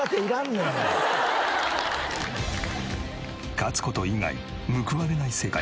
勝つ事以外報われない世界。